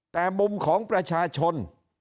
แต่มุมของประชาชน